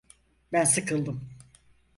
Ben sıkıldım.